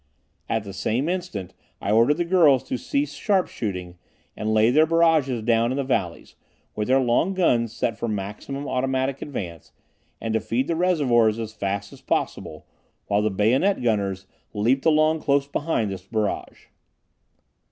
At the same instant I ordered the girls to cease sharp shooting, and lay their barrages down in the valleys, with their long guns set for maximum automatic advance, and to feed the reservoirs as fast as possible, while the bayonet gunners leaped along close behind this barrage.